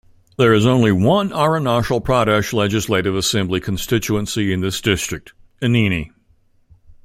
There is only one Arunachal Pradesh Legislative Assembly constituency in this district: Anini.